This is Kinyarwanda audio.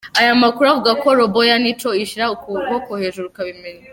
Aya makuru avuga ko Robo ya Nico ishyira ukuboko hejuru ikabimenya.